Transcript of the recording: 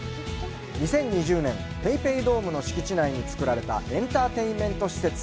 ２０２０年、ＰａｙＰａｙドームの敷地内につくられたエンターテインメント施設。